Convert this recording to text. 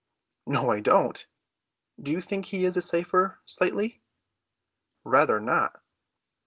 "No, I don't. Do you think he is a cypher, Slightly?" "Rather not.